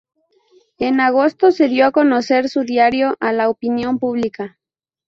En agosto se dio a conocer su diario a la opinión pública.